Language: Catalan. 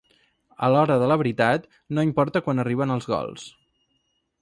A l'hora de la veritat, no importa quan arriben els gols.